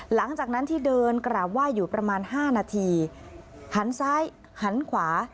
หลังจากนั้นที่เดินกราบไหว้อยู่ประมาณ๕นาทีหันซ้ายหันขวา